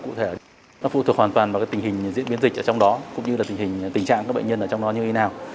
chúng tôi có thể phụ thuộc hoàn toàn vào tình hình diễn biến dịch ở trong đó cũng như là tình trạng các bệnh nhân ở trong đó như thế nào